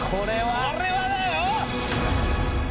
これはだよ！